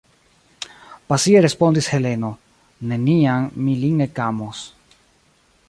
pasie respondis Heleno: neniam mi lin ekamos.